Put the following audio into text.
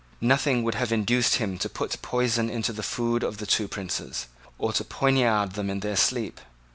Nothing would have induced him to put poison into the food of the two princes, or to poinard them in their sleep.